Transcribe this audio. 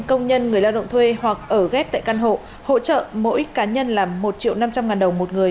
công nhân người lao động thuê hoặc ở ghép tại căn hộ hỗ trợ mỗi cá nhân là một triệu năm trăm linh ngàn đồng một người